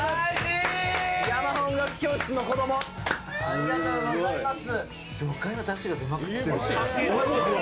ありがとうございます。